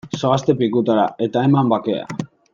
Zoazte pikutara eta eman bakea!